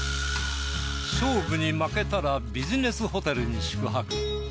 勝負に負けたらビジネスホテルに宿泊。